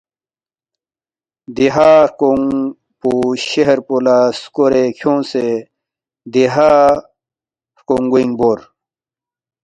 دیہا ہرکونگ پو شہر پو لہ سکورے کھیونگسے دیہا ہرکونگ گوینگ بور